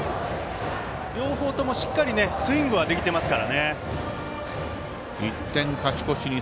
両方とも、しっかりとスイングはできていますからね。